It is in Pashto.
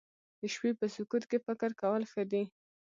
د شپې په سکوت کې فکر کول ښه دي